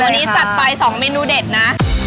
วันนี้จัดไป๒เมนูเด็ดนะ